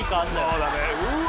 そうだねうわ